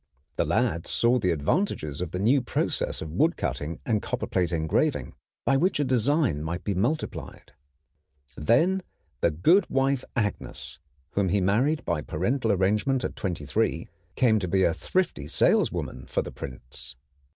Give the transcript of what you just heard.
The lad saw the advantages of the new process of woodcutting and copperplate engraving, by which a design might be multiplied. Then the good wife Agnes, whom he married by parental arrangement at twenty three, came to be a thrifty saleswoman for the prints.